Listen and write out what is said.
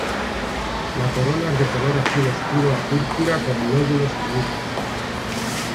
La corola es de color azul oscuro a púrpura con lóbulos agudos.